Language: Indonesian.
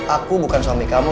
aku bukan suami kamu